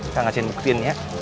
kak ngaceng buktiin ya